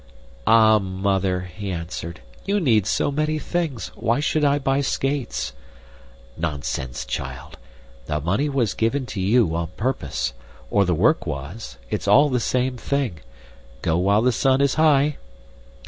"Ah, Mother," he answered, "you need so many things. Why should I buy skates?" "Nonsense, child. The money was given to you on purpose, or the work was it's all the same thing. Go while the sun is high."